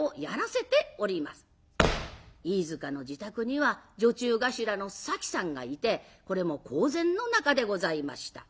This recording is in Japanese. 飯塚の自宅には女中頭のさきさんがいてこれも公然の仲でございました。